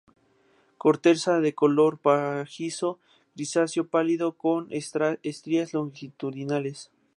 Corteza de color pajizo grisáceo pálido con estrías longitudinales.